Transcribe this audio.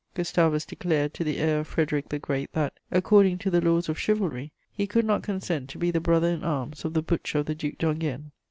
Gustavus declared to the heir of Frederic the Great that, "according to the laws of chivalry, he could not consent to be the brother in arms of the butcher of the Duc d'Enghien."